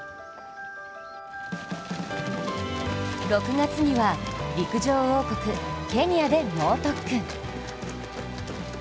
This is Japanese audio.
６月には陸上王国・ケニアで猛特訓。